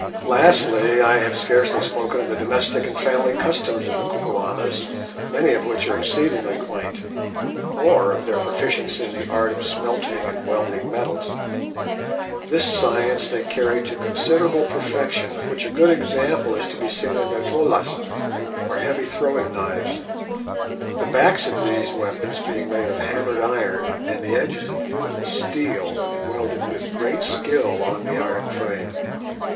Lastly, I have scarcely spoken of the domestic and family customs of the Kukuanas, many of which are exceedingly quaint, or of their proficiency in the art of smelting and welding metals. This science they carry to considerable perfection, of which a good example is to be seen in their "tollas," or heavy throwing knives, the backs of these weapons being made of hammered iron, and the edges of beautiful steel welded with great skill on to the iron frames.